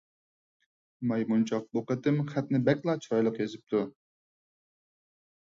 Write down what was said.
مايمۇنچاق بۇ قېتىم خەتنى بەكلا چىرايلىق يېزىپتۇ.